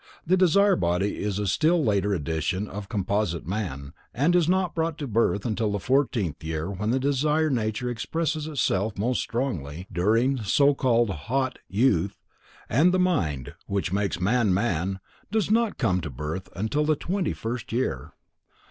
The desire body is a still later addition of composite man, and is not brought to birth until the fourteenth year when the desire nature expresses itself most strongly during so called "hot" youth, and the mind, which makes man man, does not come to birth until the twenty first year.